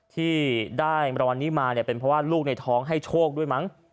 ที่ได้รางวัลนี้มาเนี่ยเป็นเพราะว่าลูกในท้องให้โชคด้วยมั้ง